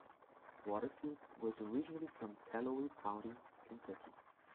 Waterfield was originally from Calloway County, Kentucky.